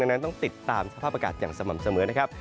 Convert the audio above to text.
นั้นต้องติดตามสภาพอากาศอย่างสม่ำเสมอนะครับ